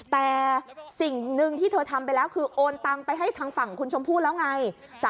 แต่สิ่งหนึ่งที่เธอทำไปแล้วคือโอนตังไปให้ทางฝั่งคุณชมพู่แล้วไง